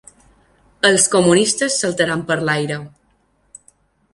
Els comunistes saltaran per l’aire